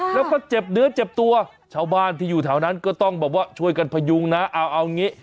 แล้วก็เจ็บเนื้อเจ็บตัวชาวบ้านที่อยู่แถวนั้นก็ต้องแบบว่าช่วยกันพยุงนะเอาเอางี้